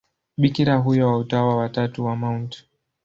Bikira huyo wa Utawa wa Tatu wa Mt.